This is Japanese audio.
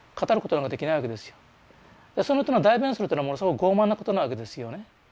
だからその人の代弁するっていうのはものすごく傲慢なことなわけですよね。